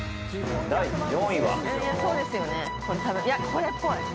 これっぽい。